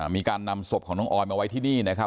มีการนำศพของน้องออยมาไว้ที่นี่นะครับ